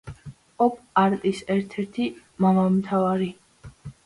ოპ-არტის ერთ-ერთი მამამთავარი.